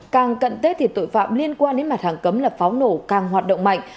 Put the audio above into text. càng cận tết thì tội phạm liên quan đến mặt hàng cấm là pháo nổ càng hoạt động mạnh